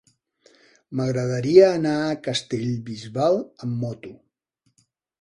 M'agradaria anar a Castellbisbal amb moto.